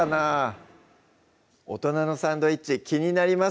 大人のサンドイッチ気になります